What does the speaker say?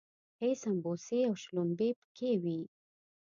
ښې سمبوسې او شلومبې پکې وي.